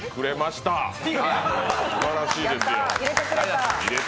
すばらしいですよ。